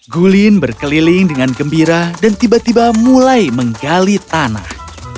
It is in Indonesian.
gulin berkeliling dengan gembira dan tiba tiba mulai menggali tanah